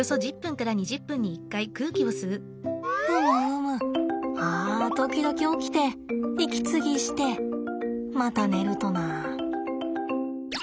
ふむふむあ時々起きて息継ぎしてまた寝るとな。